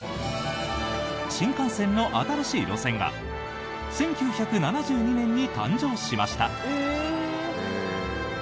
新幹線の新しい路線が１９７２年に誕生しました。